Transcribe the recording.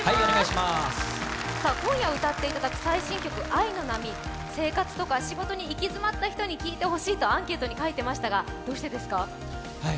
今夜歌っていただく最新曲「愛の波」生活とか仕事に行き詰まった人に聴いてほしいとアンケートに書いてありましたが、どういうことです